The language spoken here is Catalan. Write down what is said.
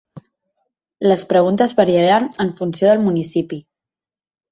Les preguntes variaran en funció del municipi.